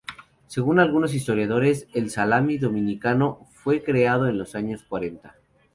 Según algunos historiadores, el salami dominicano fue creado en los años cuarenta.